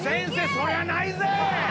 そりゃないぜ‼